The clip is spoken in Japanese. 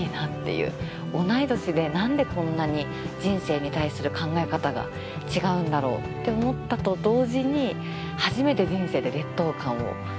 同い年で何でこんなに人生に対する考え方が違うんだろうって思ったと同時に初めて人生で劣等感をそこで抱いて。